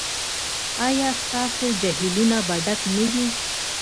ایا ستاسو جهیلونه به ډک نه وي؟